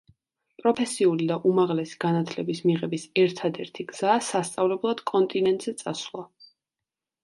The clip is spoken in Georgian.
პროფესიული და უმაღლესი განათლების მიღების ერთადერთი გზაა სასწავლებლად კონტინენტზე წასვლა.